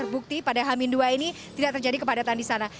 bukti pada hamin dua ini tidak terjadi kepadatan di sana